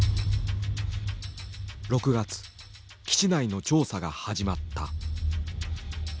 基地内の調査が始まった。